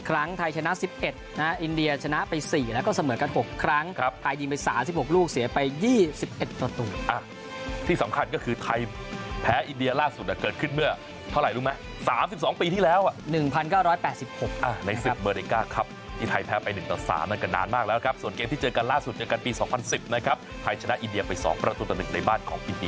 ๑๑ครั้งไทยชนะ๑๑นะอินเดียชนะไป๔แล้วก็เสมอกัน๖ครั้งครับไทยยิงไป๓๖ลูกเสียไป๒๑ประตูที่สำคัญก็คือไทยแพ้อินเดียล่าสุดแต่เกิดขึ้นเมื่อเท่าไหร่รู้ไหม๓๒ปีที่แล้วอ่ะ๑๙๘๖ใน๑๐เบอร์ได้กล้าครับที่ไทยแพ้ไป๑ต่อ๓มันก็นานมากแล้วครับส